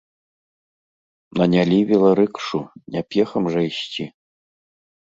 Нанялі веларыкшу, не пехам жа ісці.